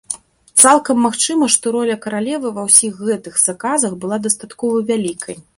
Цалкам магчыма, што роля каралевы ва ўсіх гэтых заказах была дастаткова вялікай.